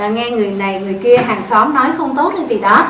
nghe người này người kia hàng xóm nói không tốt cái gì đó